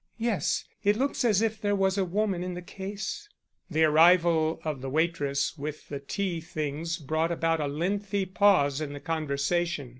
"Yes; it looks as if there was a woman in the case." The arrival of the waitress with the tea things brought about a lengthy pause in the conversation.